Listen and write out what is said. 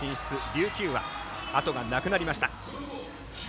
琉球は後がなくなりました。